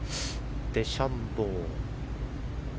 デシャンボー。